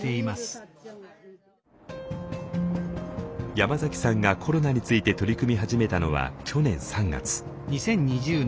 山崎さんがコロナについて取り組み始めたのは去年３月。